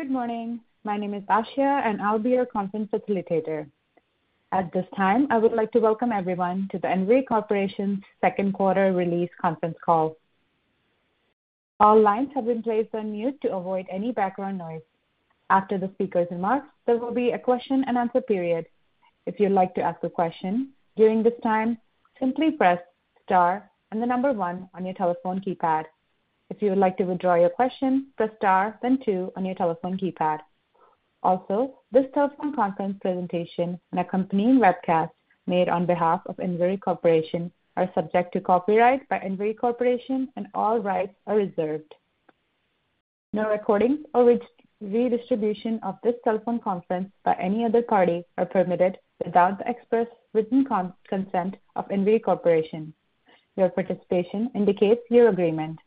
Good morning. My name is Asha, and I'll be your conference facilitator. At this time, I would like to welcome everyone to the Enviri Corporation's second quarter release conference call. All lines have been placed on mute to avoid any background noise. After the speakers' remarks, there will be a question-and-answer period. If you'd like to ask a question during this time, simply press star and the number 1 on your telephone keypad. If you would like to withdraw your question, press star, then 2 on your telephone keypad. Also, this telephone conference presentation and accompanying webcast made on behalf of Enviri Corporation are subject to copyright by Enviri Corporation, and all rights are reserved. No recordings or redistribution of this telephone conference by any other party are permitted without the express written consent of Enviri Corporation. Your participation indicates your agreement.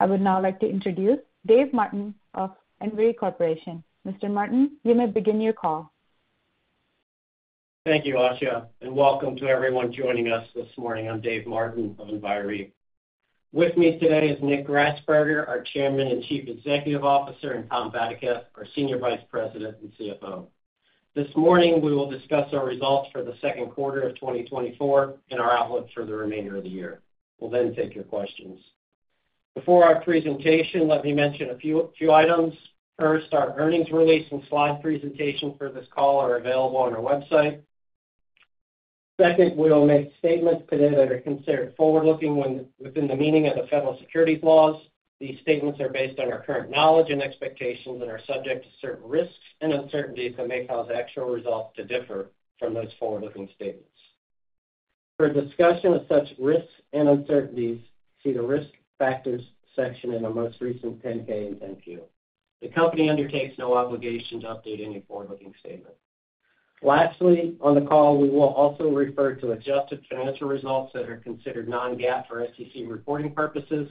I would now like to introduce David Martin of Enviri Corporation. Mr. Martin, you may begin your call. Thank you, Asha, and welcome to everyone joining us this morning. I'm Dave Martin of Enviri. With me today is Nick Grasberger, our Chairman and Chief Executive Officer, and Tom Vadaketh, our Senior Vice President and CFO. This morning, we will discuss our results for the second quarter of 2024 and our outlook for the remainder of the year. We'll then take your questions. Before our presentation, let me mention a few items. First, our earnings release and slide presentation for this call are available on our website. Second, we will make statements today that are considered forward-looking, when within the meaning of the federal securities laws. These statements are based on our current knowledge and expectations and are subject to certain risks and uncertainties that may cause actual results to differ from those forward-looking statements. For a discussion of such risks and uncertainties, see the Risk Factors section in our most recent 10-K and 10-Q. The company undertakes no obligation to update any forward-looking statement. Lastly, on the call, we will also refer to adjusted financial results that are considered non-GAAP for SEC reporting purposes.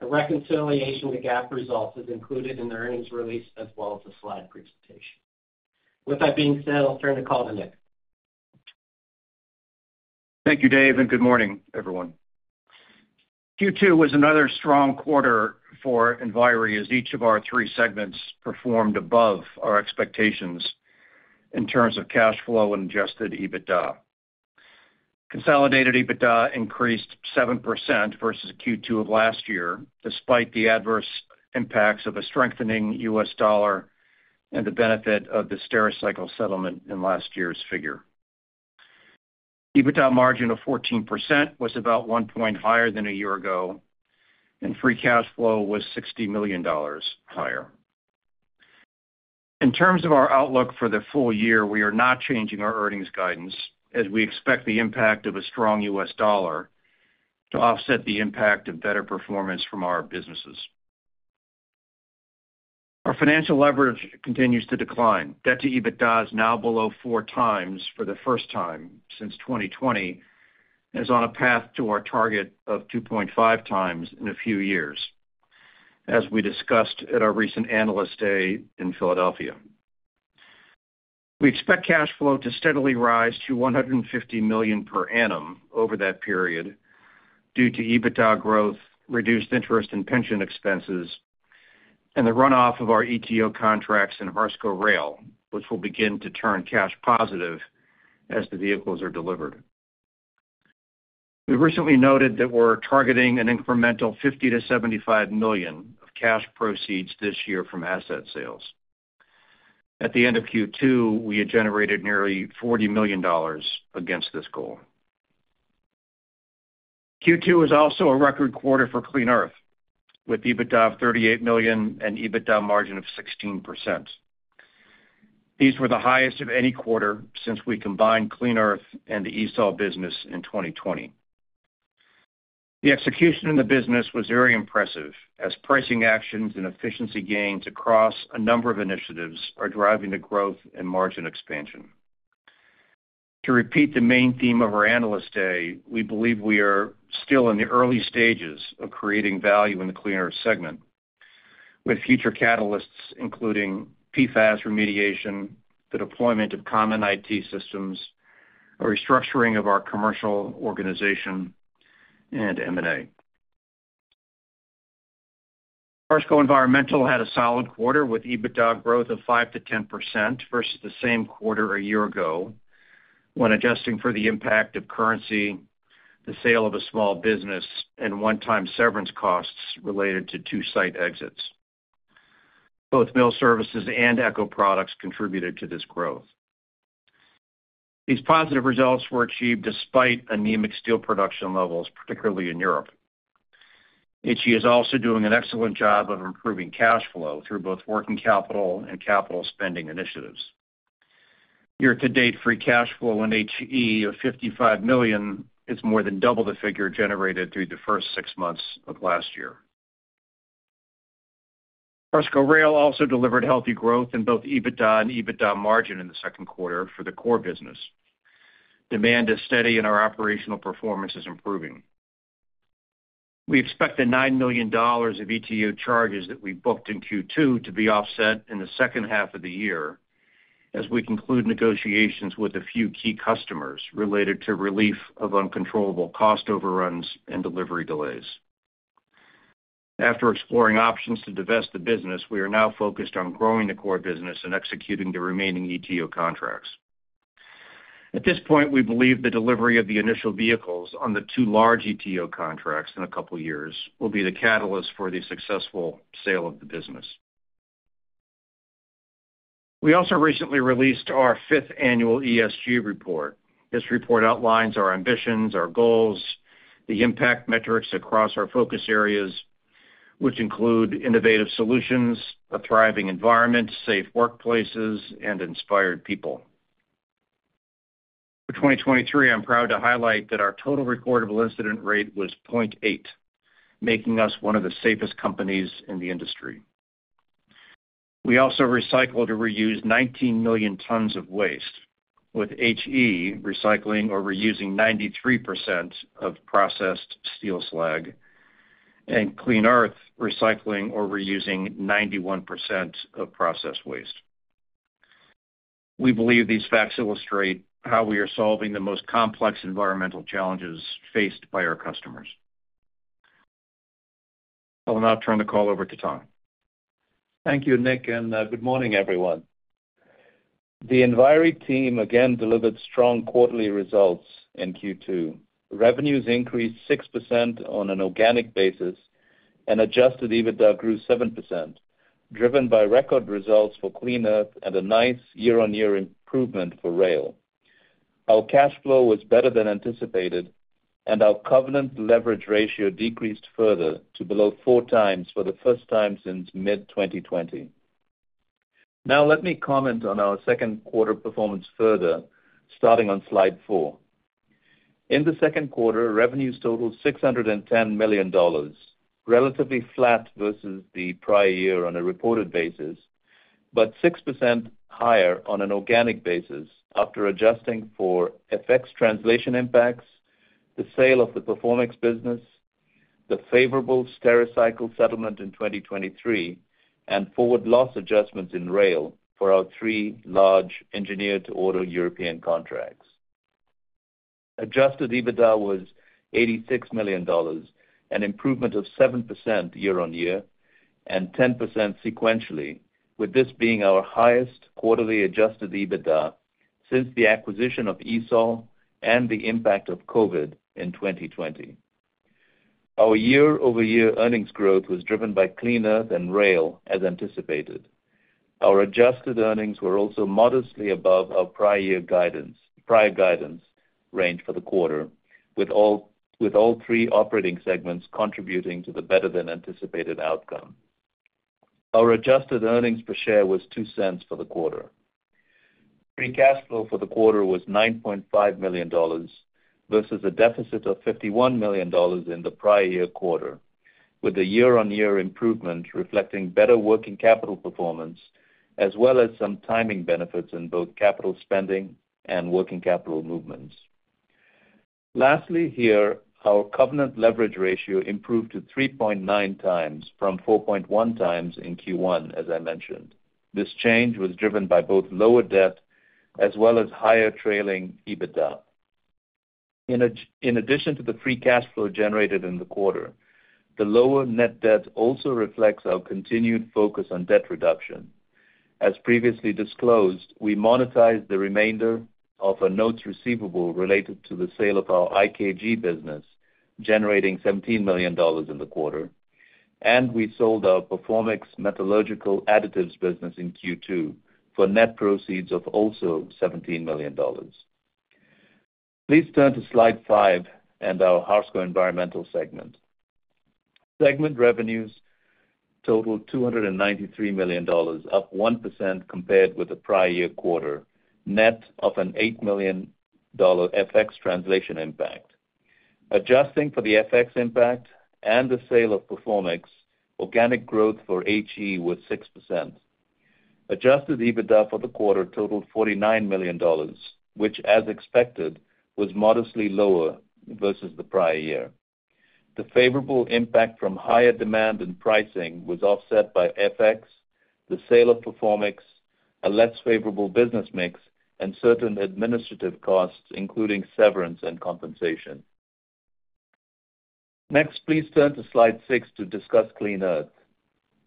The reconciliation to GAAP results is included in the earnings release as well as the slide presentation. With that being said, I'll turn the call to Nicholas. Thank you, David, and good morning, everyone. Q2 was another strong quarter for Enviri, as each of our three segments performed above our expectations in terms of cash flow and adjusted EBITDA. Consolidated EBITDA increased 7% versus Q2 of last year, despite the adverse impacts of a strengthening US dollar and the benefit of the Stericycle settlement in last year's figure. EBITDA margin of 14% was about one point higher than a year ago, and free cash flow was $60 million higher. In terms of our outlook for the full year, we are not changing our earnings guidance, as we expect the impact of a strong US dollar to offset the impact of better performance from our businesses. Our financial leverage continues to decline. Debt to EBITDA is now below 4x for the first time since 2020, and is on a path to our target of 2.5x in a few years, as we discussed at our recent Analyst Day in Philadelphia. We expect cash flow to steadily rise to $150 million per annum over that period due to EBITDA growth, reduced interest in pension expenses, and the runoff of our ETO contracts in Harsco Rail, which will begin to turn cash positive as the vehicles are delivered. We recently noted that we're targeting an incremental $50 million-$75 million of cash proceeds this year from asset sales. At the end of Q2, we had generated nearly $40 million against this goal. Q2 was also a record quarter for Clean Earth, with EBITDA of $38 million and EBITDA margin of 16%. These were the highest of any quarter since we combined Clean Earth and the ESOL business in 2020. The execution in the business was very impressive, as pricing actions and efficiency gains across a number of initiatives are driving the growth and margin expansion. To repeat the main theme of our Analyst Day, we believe we are still in the early stages of creating value in the Clean Earth segment, with future catalysts including PFAS remediation, the deployment of common IT systems, a restructuring of our commercial organization, and M&A. Harsco Environmental had a solid quarter, with EBITDA growth of 5%-10% versus the same quarter a year ago, when adjusting for the impact of currency, the sale of a small business, and one-time severance costs related to 2 site exits. Both Mill Services and Echo Products contributed to this growth. These positive results were achieved despite anemic steel production levels, particularly in Europe. HE is also doing an excellent job of improving cash flow through both working capital and capital spending initiatives. Year-to-date, free cash flow in HE of $55 million is more than double the figure generated through the first six months of last year. Harsco Rail also delivered healthy growth in both EBITDA and EBITDA margin in the second quarter for the core business. Demand is steady, and our operational performance is improving. We expect the $9 million of ETO charges that we booked in Q2 to be offset in the second half of the year as we conclude negotiations with a few key customers related to relief of uncontrollable cost overruns and delivery delays. After exploring options to divest the business, we are now focused on growing the core business and executing the remaining ETO contracts. At this point, we believe the delivery of the initial vehicles on the two large ETO contracts in a couple of years will be the catalyst for the successful sale of the business. We also recently released our fifth annual ESG report. This report outlines our ambitions, our goals, the impact metrics across our focus areas, which include innovative solutions, a thriving environment, safe workplaces, and inspired people. For 2023, I'm proud to highlight that our total recordable incident rate was 0.8, making us one of the safest companies in the industry. We also recycled or reused 19 million tons of waste, with HE recycling or reusing 93% of processed steel slag, and Clean Earth recycling or reusing 91% of processed waste. We believe these facts illustrate how we are solving the most complex environmental challenges faced by our customers. I'll now turn the call over to Tom. Thank you, Nick, and good morning, everyone. The Enviri team again delivered strong quarterly results in Q2. Revenues increased 6% on an organic basis, and adjusted EBITDA grew 7%, driven by record results for Clean Earth and a nice year-on-year improvement for rail. Our cash flow was better than anticipated, and our covenant leverage ratio decreased further to below 4 times for the first time since mid-2020. Now, let me comment on our second quarter performance further, starting on slide 4. In the second quarter, revenues totaled $610 million, relatively flat versus the prior year on a reported basis, but 6% higher on an organic basis after adjusting for FX translation impacts, the sale of the Performix business, the favorable Stericycle settlement in 2023, and forward loss adjustments in rail for our three large engineer-to-order European contracts. Adjusted EBITDA was $86 million, an improvement of 7% year-on-year and 10% sequentially, with this being our highest quarterly adjusted EBITDA since the acquisition of ESOL and the impact of COVID in 2020. Our year-over-year earnings growth was driven by Clean Earth and rail, as anticipated. Our adjusted earnings were also modestly above our prior-year guidance, prior guidance range for the quarter, with all three operating segments contributing to the better-than-anticipated outcome. Our adjusted earnings per share was $0.02 for the quarter. Free cash flow for the quarter was $9.5 million, versus a deficit of $51 million in the prior year quarter, with a year-on-year improvement reflecting better working capital performance, as well as some timing benefits in both capital spending and working capital movements. Lastly, here, our covenant leverage ratio improved to 3.9 times from 4.1 times in Q1, as I mentioned. This change was driven by both lower debt as well as higher trailing EBITDA. In addition to the free cash flow generated in the quarter, the lower net debt also reflects our continued focus on debt reduction. As previously disclosed, we monetized the remainder of a notes receivable related to the sale of our IKG business, generating $17 million in the quarter, and we sold our Performix Metallurgical Additives business in Q2 for net proceeds of also $17 million. Please turn to slide five and our Harsco Environmental segment. Segment revenues totaled $293 million, up 1% compared with the prior year quarter, net of an $8 million FX translation impact. Adjusting for the FX impact and the sale of Performix, organic growth for HE was 6%. Adjusted EBITDA for the quarter totaled $49 million, which, as expected, was modestly lower versus the prior year. The favorable impact from higher demand and pricing was offset by FX, the sale of Performix, a less favorable business mix, and certain administrative costs, including severance and compensation. Next, please turn to slide 6 to discuss Clean Earth.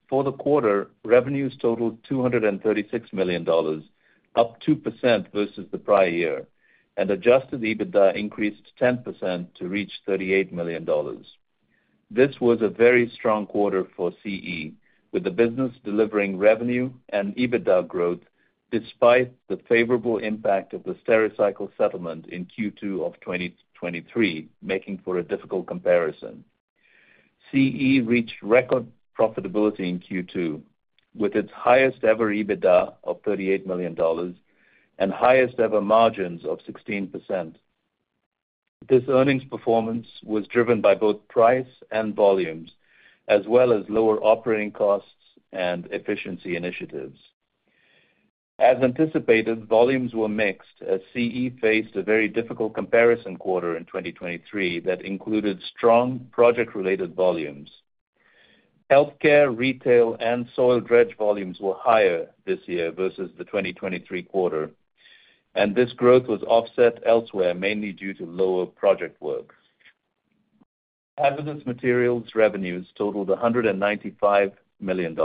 For the quarter, revenues totaled $236 million, up 2% versus the prior year, and adjusted EBITDA increased 10% to reach $38 million. This was a very strong quarter for CE, with the business delivering revenue and EBITDA growth, despite the favorable impact of the Stericycle settlement in Q2 of 2023, making for a difficult comparison. CE reached record profitability in Q2, with its highest-ever EBITDA of $38 million and highest-ever margins of 16%. This earnings performance was driven by both price and volumes, as well as lower operating costs and efficiency initiatives. As anticipated, volumes were mixed, as CE faced a very difficult comparison quarter in 2023 that included strong project-related volumes.... Healthcare, retail, and soil dredge volumes were higher this year versus the 2023 quarter, and this growth was offset elsewhere, mainly due to lower project work. Aggregates materials revenues totaled $195 million,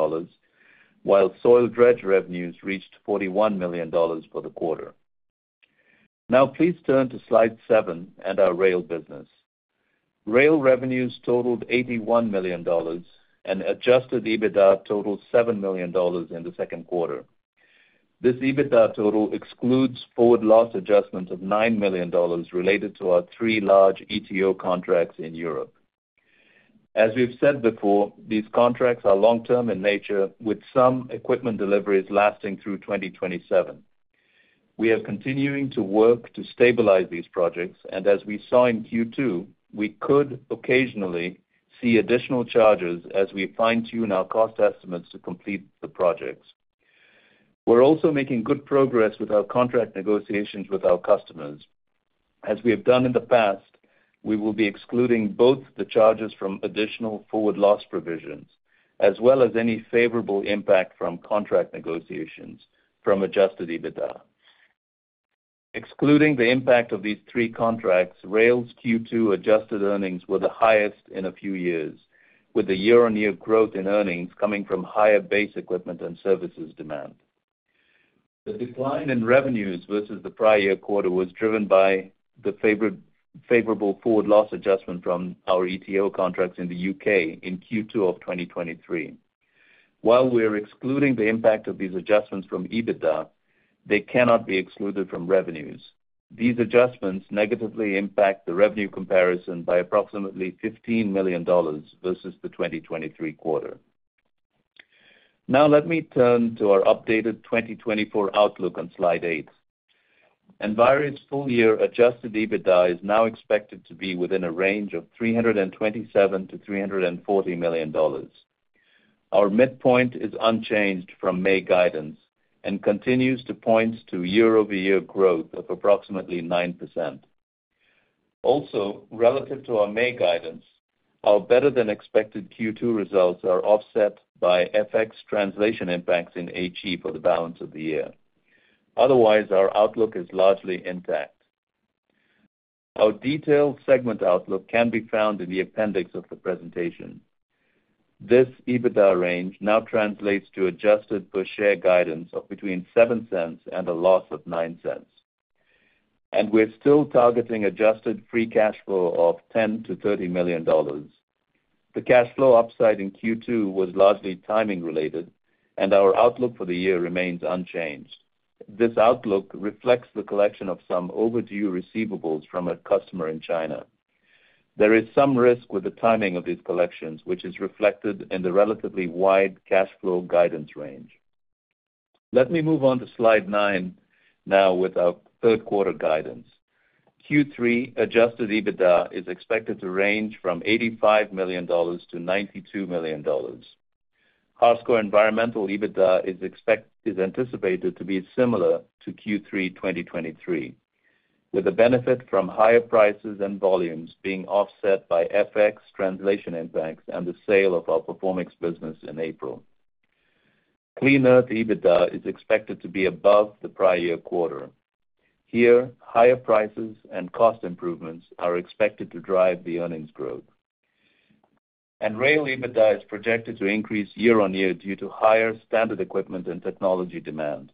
while soil dredge revenues reached $41 million for the quarter. Now, please turn to Slide 7 and our rail business. Rail revenues totaled $81 million, and adjusted EBITDA totaled $7 million in the second quarter. This EBITDA total excludes forward loss adjustment of $9 million related to our three large ETO contracts in Europe. As we've said before, these contracts are long-term in nature, with some equipment deliveries lasting through 2027. We are continuing to work to stabilize these projects, and as we saw in Q2, we could occasionally see additional charges as we fine-tune our cost estimates to complete the projects. We're also making good progress with our contract negotiations with our customers. As we have done in the past, we will be excluding both the charges from additional forward loss provisions, as well as any favorable impact from contract negotiations from adjusted EBITDA. Excluding the impact of these three contracts, Rail's Q2 adjusted earnings were the highest in a few years, with the year-on-year growth in earnings coming from higher base equipment and services demand. The decline in revenues versus the prior year quarter was driven by the favorable forward loss adjustment from our ETO contracts in the UK in Q2 of 2023. While we are excluding the impact of these adjustments from EBITDA, they cannot be excluded from revenues. These adjustments negatively impact the revenue comparison by approximately $15 million versus the 2023 quarter. Now let me turn to our updated 2024 outlook on Slide 8. Enviri's full-year adjusted EBITDA is now expected to be within a range of $327 million-$340 million. Our midpoint is unchanged from May guidance and continues to point to year-over-year growth of approximately 9%. Also, relative to our May guidance, our better-than-expected Q2 results are offset by FX translation impacts in HE for the balance of the year. Otherwise, our outlook is largely intact. Our detailed segment outlook can be found in the appendix of the presentation. This EBITDA range now translates to adjusted per share guidance of between $0.07 and -$0.09. We're still targeting adjusted free cash flow of $10 million-$30 million. The cash flow upside in Q2 was largely timing related, and our outlook for the year remains unchanged. This outlook reflects the collection of some overdue receivables from a customer in China. There is some risk with the timing of these collections, which is reflected in the relatively wide cash flow guidance range. Let me move on to Slide 9 now with our third quarter guidance. Q3 adjusted EBITDA is expected to range from $85 million-$92 million. Harsco Environmental EBITDA is anticipated to be similar to Q3 2023, with the benefit from higher prices and volumes being offset by FX translation impacts and the sale of our Performix business in April. Clean Earth EBITDA is expected to be above the prior year quarter. Here, higher prices and cost improvements are expected to drive the earnings growth. Rail EBITDA is projected to increase year-on-year due to higher standard equipment and technology demand.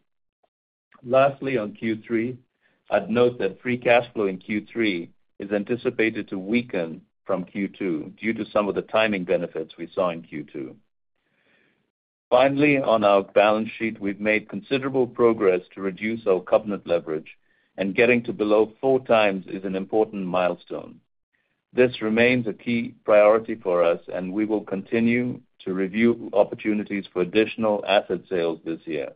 Lastly, on Q3, I'd note that free cash flow in Q3 is anticipated to weaken from Q2 due to some of the timing benefits we saw in Q2. Finally, on our balance sheet, we've made considerable progress to reduce our covenant leverage, and getting to below four times is an important milestone. This remains a key priority for us, and we will continue to review opportunities for additional asset sales this year.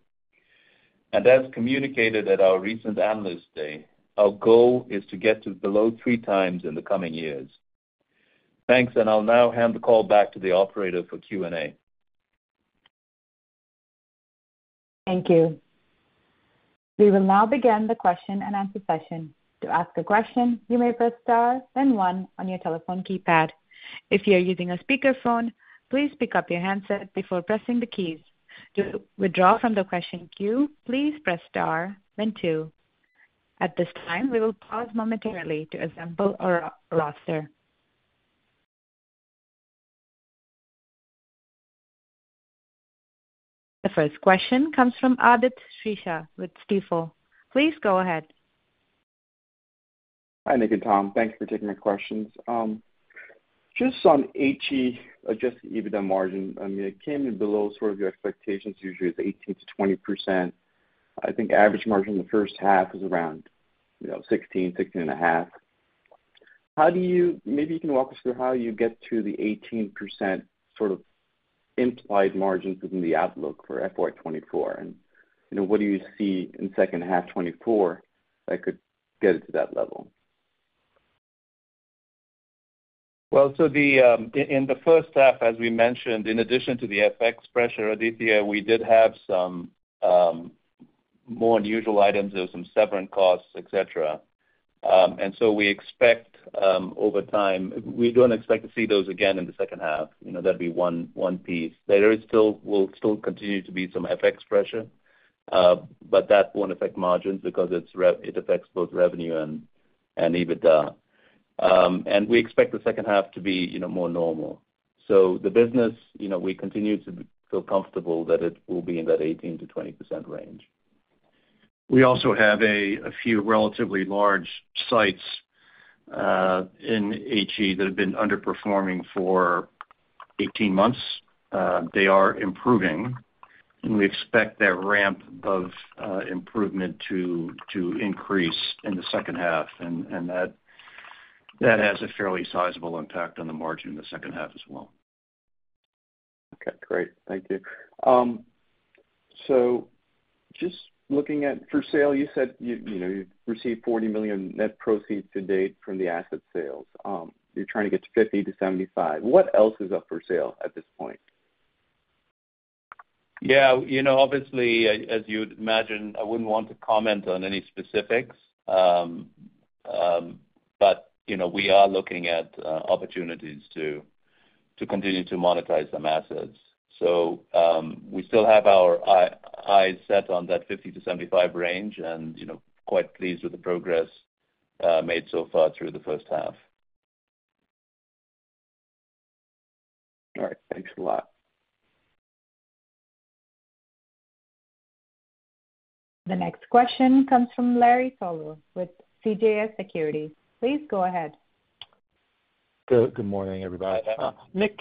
As communicated at our recent Analyst Day, our goal is to get to below three times in the coming years. Thanks, and I'll now hand the call back to the operator for Q&A. Thank you. We will now begin the question-and-answer session. To ask a question, you may press star then one on your telephone keypad. If you are using a speakerphone, please pick up your handset before pressing the keys. To withdraw from the question queue, please press star then two. At this time, we will pause momentarily to assemble our roster. The first question comes from Aditya Srisha with Stifel. Please go ahead. Hi, Nicholas and Tom, thanks for taking my questions. Just on HE Adjusted EBITDA margin, I mean, it came in below sort of your expectations, usually it's 18%-20%. I think average margin in the first half is around, you know, 16, 16.5. How do you maybe you can walk us through how you get to the 18% sort of implied margins within the outlook for FY 2024? And, you know, what do you see in second half 2024 that could get it to that level? Well, so in the first half, as we mentioned, in addition to the FX pressure, Aditya, we did have some more unusual items. There were some severance costs, et cetera. And so we expect, over time, we don't expect to see those again in the second half. You know, that'd be one piece. There will still continue to be some FX pressure, but that won't affect margins because it affects both revenue and EBITDA. And we expect the second half to be, you know, more normal. So the business, you know, we continue to feel comfortable that it will be in that 18%-20% range. We also have a few relatively large sites in HE that have been underperforming for 18 months. They are improving, and we expect that ramp of improvement to increase in the second half, and that has a fairly sizable impact on the margin in the second half as well. Okay, great. Thank you. Just looking at for sale, you said you, you know, you've received $40 million net proceeds to date from the asset sales. You're trying to get to $50 million-$75 million. What else is up for sale at this point? Yeah, you know, obviously, as you'd imagine, I wouldn't want to comment on any specifics. But, you know, we are looking at opportunities to continue to monetize some assets. So, we still have our eyes set on that $50-$75 range, and, you know, quite pleased with the progress made so far through the first half. All right. Thanks a lot. The next question comes from Larry Solow with CJS Securities. Please go ahead. Good morning, everybody. Nick,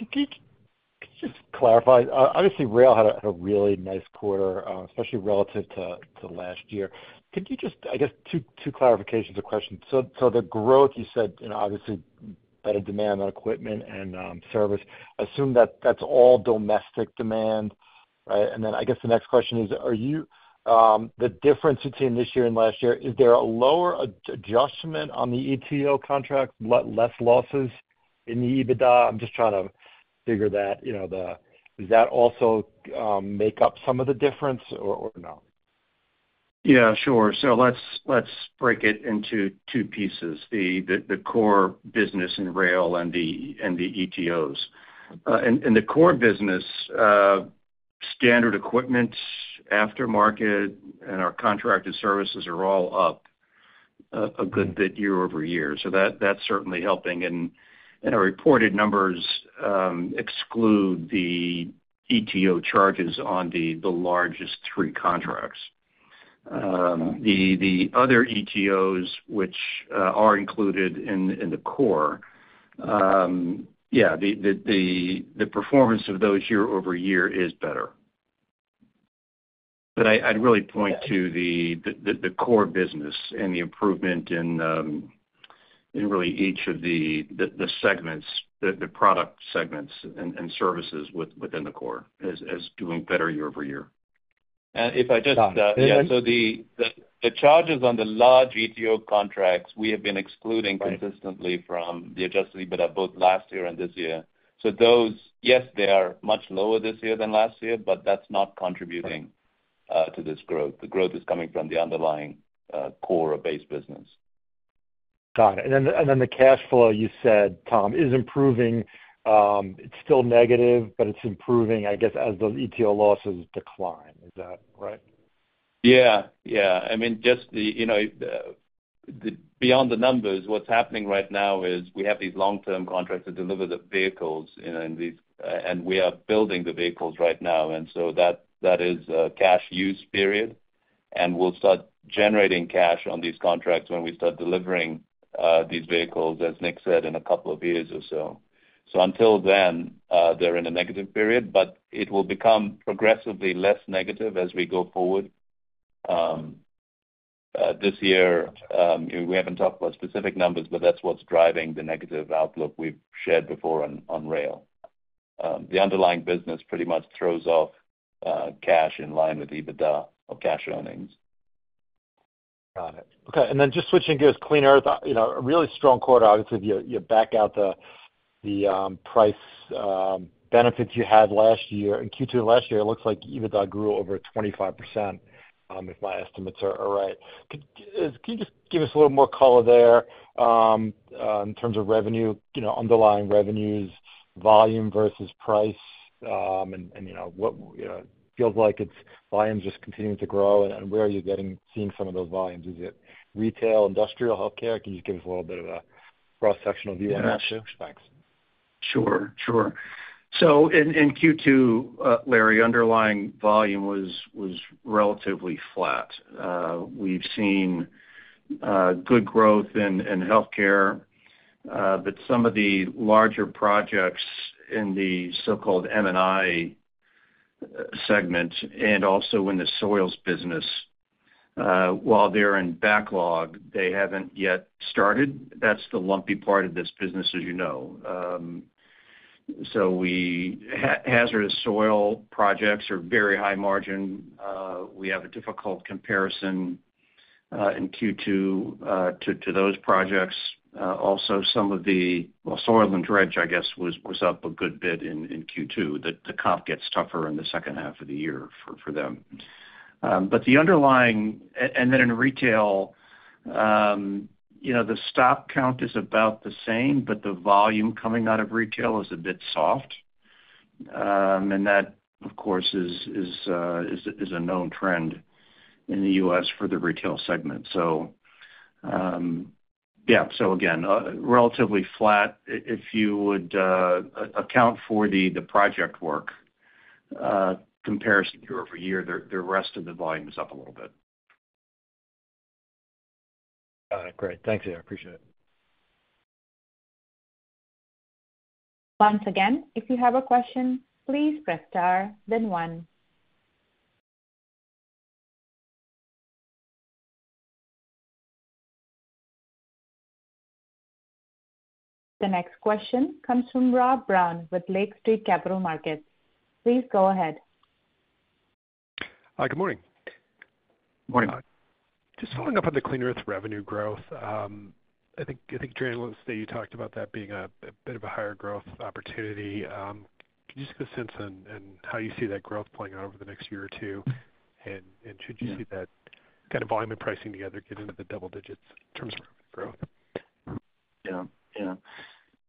could you just clarify, obviously, Rail had a really nice quarter, especially relative to last year. Could you just, I guess, two clarifications or questions. So the growth you said, you know, obviously better demand on equipment and service. Assume that that's all domestic demand, right? And then I guess the next question is: Are you the difference between this year and last year, is there a lower adjustment on the ETO contract, lot less losses in the EBITDA? I'm just trying to figure that, you know, does that also make up some of the difference or no? Yeah, sure. So let's break it into two pieces, the core business in rail and the ETOs. In the core business, standard equipment, aftermarket, and our contracted services are all up a good bit year-over-year. So that's certainly helping. And our reported numbers exclude the ETO charges on the largest three contracts. The other ETOs, which are included in the core, yeah, the performance of those year-over-year is better. But I'd really point to the core business and the improvement in really each of the segments, the product segments and services within the core as doing better year-over-year. And if I just, so the charges on the large ETO contracts, we have been excluding consistently from the Adjusted EBITDA both last year and this year. So those, yes, they are much lower this year than last year, but that's not contributing to this growth. The growth is coming from the underlying core base business. Got it. And then the cash flow, you said, Tom, is improving. It's still negative, but it's improving, I guess, as those ETO losses decline. Is that right? Yeah, yeah. I mean, just the, you know, the, beyond the numbers, what's happening right now is we have these long-term contracts to deliver the vehicles, you know, and these, and we are building the vehicles right now, and so that, that is a cash use period. And we'll start generating cash on these contracts when we start delivering, these vehicles, as Nick said, in a couple of years or so. So until then, they're in a negative period, but it will become progressively less negative as we go forward. This year, we haven't talked about specific numbers, but that's what's driving the negative outlook we've shared before on, on rail. The underlying business pretty much throws off, cash in line with EBITDA or cash earnings. Got it. Okay, and then just switching gears, Clean Earth, you know, a really strong quarter. Obviously, if you back out the price benefits you had last year in Q2 last year, it looks like EBITDA grew over 25%, if my estimates are right. Could you just give us a little more color there, in terms of revenue, you know, underlying revenues, volume versus price, and you know, what feels like it's volume just continuing to grow, and where are you seeing some of those volumes? Is it retail, industrial, healthcare? Can you just give us a little bit of a cross-sectional view on that too? Thanks. Sure, sure. So in Q2, Larry, underlying volume was relatively flat. We've seen good growth in healthcare, but some of the larger projects in the so-called M&I segment and also in the soils business, while they're in backlog, they haven't yet started. That's the lumpy part of this business, as you know. So hazardous soil projects are very high margin. We have a difficult comparison in Q2 to those projects. Also soil and dredge, I guess, was up a good bit in Q2. The comp gets tougher in the second half of the year for them. But the underlying and then in retail, you know, the stock count is about the same, but the volume coming out of retail is a bit soft. And that, of course, is a known trend in the U.S. for the retail segment. So, yeah, so again, relatively flat. If you would account for the project work comparison year-over-year, the rest of the volume is up a little bit. All right, great. Thanks, I appreciate it. Once again, if you have a question, please press star, then one. The next question comes from Robert Brown with Lake Street Capital Markets. Please go ahead. Hi, good morning. Morning. Just following up on the Clean Earth revenue growth. I think during Analyst Day, you talked about that being a bit of a higher growth opportunity. Can you just give a sense on how you see that growth playing out over the next year or two? And should you see that kind of volume and pricing together get into the double digits in terms of growth? Yeah, yeah.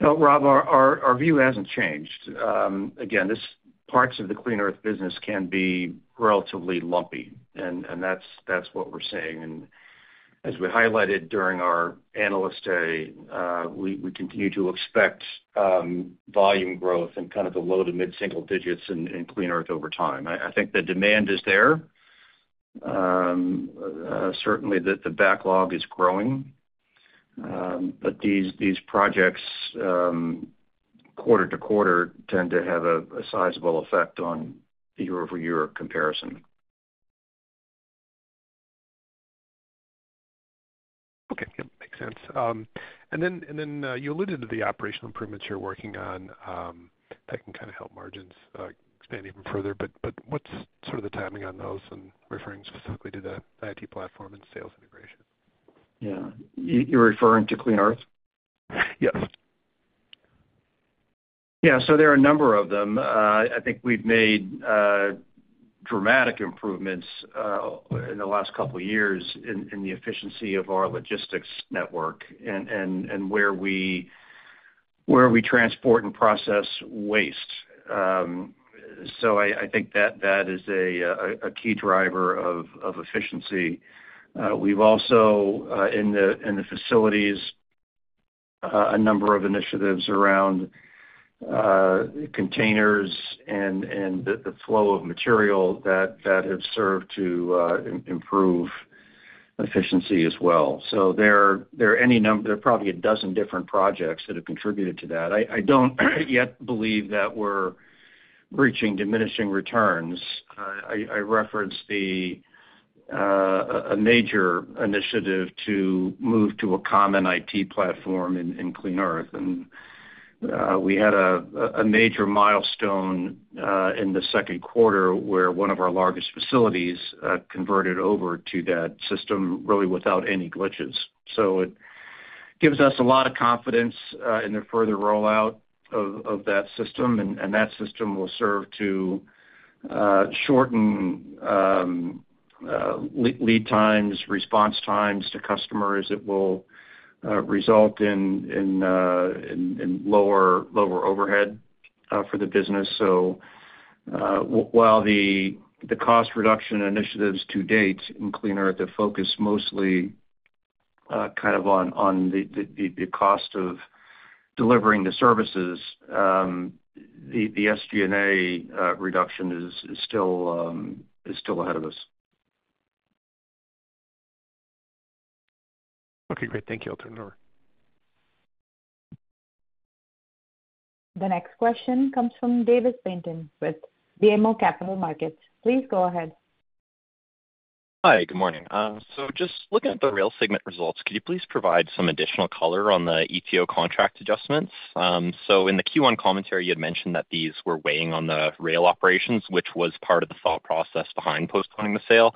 No, Rob, our view hasn't changed. Again, this, parts of the Clean Earth business can be relatively lumpy, and that's what we're seeing. As we highlighted during our Analyst Day, we continue to expect volume growth in kind of the low- to mid-single digits in Clean Earth over time. I think the demand is there. Certainly the backlog is growing, but these projects quarter to quarter tend to have a sizable effect on the year-over-year comparison. Okay, yeah, makes sense. And then you alluded to the operational improvements you're working on that can kind of help margins expand even further. But what's sort of the timing on those, and referring specifically to the IT platform and sales integration? Yeah. You, you're referring to Clean Earth? Yes. Yeah, so there are a number of them. I think we've made dramatic improvements in the last couple of years in the efficiency of our logistics network and where we transport and process waste. So I think that is a key driver of efficiency. We've also in the facilities a number of initiatives around containers and the flow of material that have served to improve efficiency as well. So there are probably a dozen different projects that have contributed to that. I don't yet believe that we're reaching diminishing returns. I referenced a major initiative to move to a common IT platform in Clean Earth. And, we had a major milestone in the second quarter, where one of our largest facilities converted over to that system, really without any glitches. So it gives us a lot of confidence in the further rollout of that system, and that system will serve to shorten lead times, response times to customers. It will result in lower overhead for the business. So, while the cost reduction initiatives to date in Clean Earth have focused mostly kind of on the cost of delivering the services, the SG&A reduction is still ahead of us. Okay, great. Thank you. I'll turn it over. The next question comes from Davis Penton with BMO Capital Markets. Please go ahead. Hi, good morning. So just looking at the rail segment results, could you please provide some additional color on the ETO contract adjustments? So in the Q1 commentary, you had mentioned that these were weighing on the rail operations, which was part of the thought process behind postponing the sale.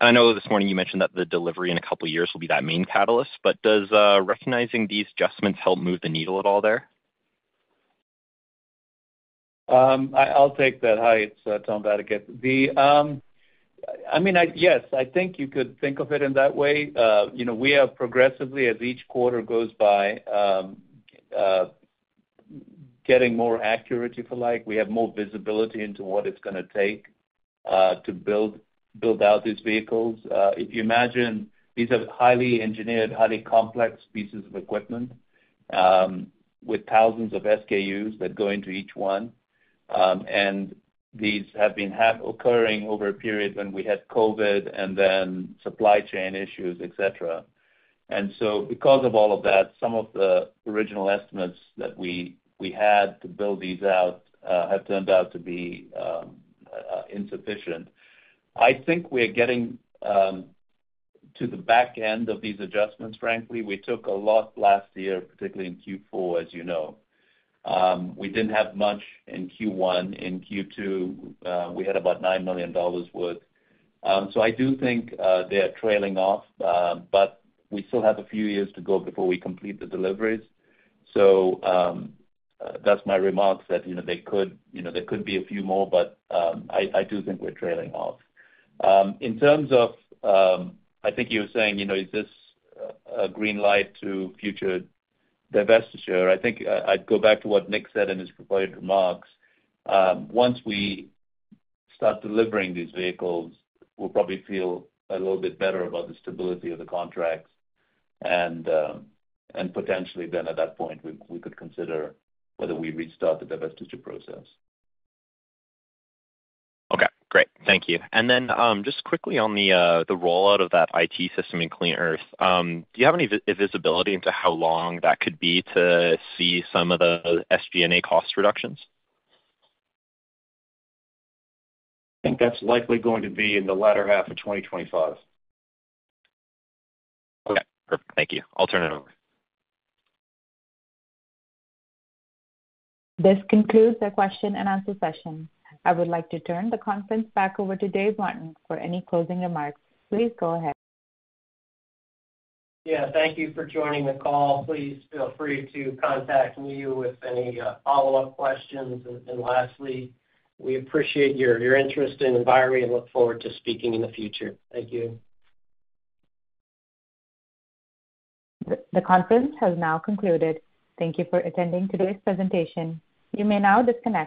I know this morning you mentioned that the delivery in a couple of years will be that main catalyst, but does recognizing these adjustments help move the needle at all there? I'll take that. Hi, it's Tom Vadaketh. I mean, yes, I think you could think of it in that way. You know, we are progressively, as each quarter goes by, getting more accurate, if you like. We have more visibility into what it's gonna take to build out these vehicles. If you imagine, these are highly engineered, highly complex pieces of equipment with thousands of SKUs that go into each one. And these have been occurring over a period when we had COVID and then supply chain issues, et cetera. And so because of all of that, some of the original estimates that we had to build these out have turned out to be insufficient. I think we're getting to the back end of these adjustments, frankly. We took a lot last year, particularly in Q4, as you know. We didn't have much in Q1. In Q2, we had about $9 million worth. So I do think they are trailing off, but we still have a few years to go before we complete the deliveries. So, that's my remarks that, you know, they could, you know, there could be a few more, but, I do think we're trailing off. In terms of, I think you were saying, you know, is this a green light to future divestiture? I think, I'd go back to what Nick said in his prepared remarks. Once we start delivering these vehicles, we'll probably feel a little bit better about the stability of the contracts, and potentially then, at that point, we could consider whether we restart the divestiture process. Okay, great. Thank you. And then, just quickly on the rollout of that IT system in Clean Earth, do you have any visibility into how long that could be to see some of the SG&A cost reductions? I think that's likely going to be in the latter half of 2025. Okay, perfect. Thank you. I'll turn it over. This concludes the question and answer session. I would like to turn the conference back over to Dave Martin for any closing remarks. Please go ahead. Yeah, thank you for joining the call. Please feel free to contact me with any follow-up questions. And lastly, we appreciate your interest in Enviri and look forward to speaking in the future. Thank you. The conference has now concluded. Thank you for attending today's presentation. You may now disconnect.